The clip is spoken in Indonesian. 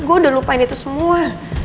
gue udah lupain itu semua